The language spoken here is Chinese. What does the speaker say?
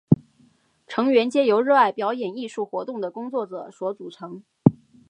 成员皆由热爱表演艺术活动的工作者所组成。